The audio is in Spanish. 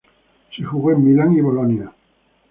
Se jugó en Milán y Bolonia.